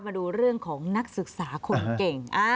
มาดูเรื่องของนักศึกษาคนเก่ง